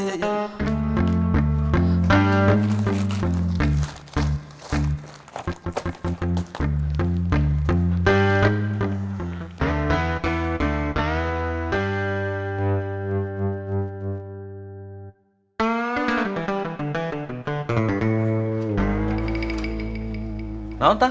program year endang